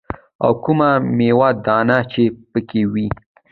او کومه ميوه دانه چې پکښې وي.